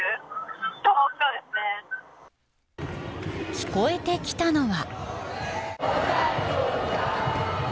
聞こえてきたのは。